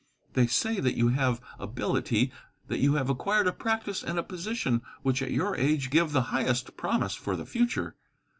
They say that you have ability, that you have acquired a practice and a position which at your age give the highest promise for the future.